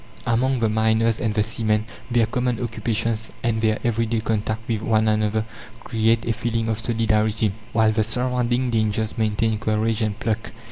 Among the miners and the seamen, their common occupations and their every day contact with one another create a feeling of solidarity, while the surrounding dangers maintain courage and pluck.